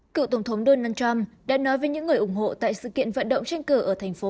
cựu tổng thống donald trump đã nói với những người ủng hộ tại sự kiện vận động tranh cử ở thành phố